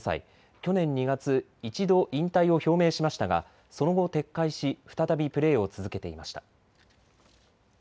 去年２月、一度引退を表明しましたがその後、撤回し再びプレーを続けていました。